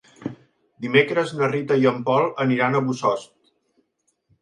Dimecres na Rita i en Pol aniran a Bossòst.